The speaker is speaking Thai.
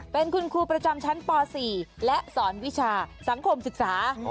เป็นคุณครูประจำชั้นป๔และสอนวิชาสังคมศึกษา